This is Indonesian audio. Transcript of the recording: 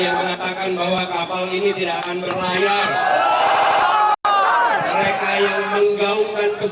mohon maaf kami mengecewakan mereka mereka yang pesimis dan menduga kami akan kandas